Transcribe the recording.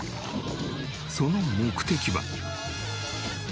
その目的は。